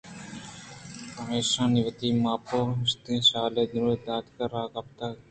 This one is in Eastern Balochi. پمیشاوتی مانپوٛشتگیں شالے دئور دات ءُ رہ گپت